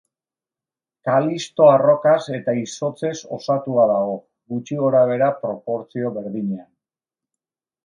Kalisto arrokaz eta izotzez osatua dago, gutxi gorabehera proportzio berdinean.